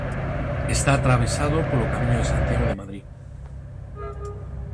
Está atravesado polo Camiño de Santiago de Madrid.